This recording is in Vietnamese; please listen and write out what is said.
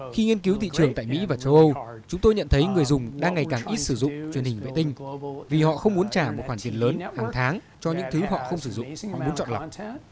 khi nghiên cứu thị trường tại mỹ và châu âu chúng tôi nhận thấy người dùng đang ngày càng ít sử dụng truyền hình vệ tinh vì họ không muốn trả một khoản tiền lớn hàng tháng cho những thứ họ không sử dụng muốn chọn lọc